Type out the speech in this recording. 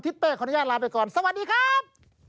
เป้ขออนุญาตลาไปก่อนสวัสดีครับ